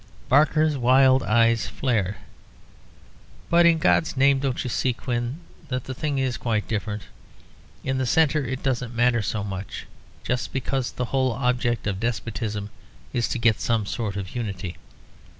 Barker's wild eyes flared. "But, in God's name, don't you see, Quin, that the thing is quite different? In the centre it doesn't matter so much, just because the whole object of despotism is to get some sort of unity.